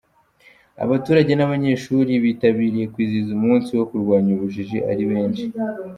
Abaturage n’abanyeshuri bitabiriye kwizihiza umunsi wo kurwanya ubujiji ari benshi.